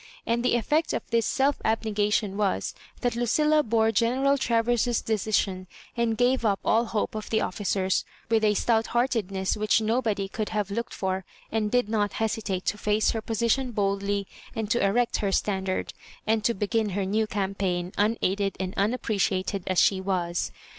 And the effect of this self ab negation was, that Lucilla bore General Traverses decision, and gave up all hope of the officers, with a stout heartedness which nobody could have looked for, and did not hesitate to face her position boldly, and to erect her standard, and to begin her new campaign, unaided and unappre ciated as she was.